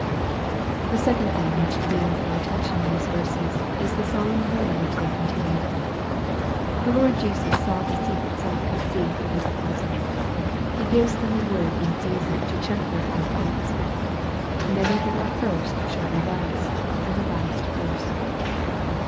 The second thing, which demands our attention in these verses, is the solemn warning which they contain. The Lord Jesus saw the secret self conceit of His apostles. He gives them a word in season to check their high thoughts. " Many that are first shall be last, and the last first."